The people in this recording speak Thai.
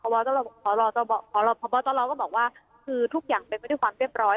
บอตรอก็บอกว่าคือทุกอย่างไม่ใช่ความเรียบร้อย